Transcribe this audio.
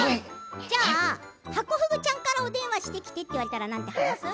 じゃあハコフグちゃんからお電話してきてって言われたらなんて話す？